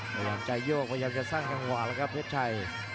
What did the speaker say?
พยายามจะโยกพยายามจะสร้างจังหวะแล้วครับเพชรชัย